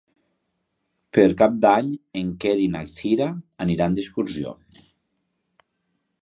Per Cap d'Any en Quer i na Cira aniran d'excursió.